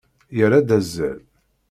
Yerra-d azal.